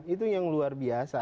itu yang luar biasa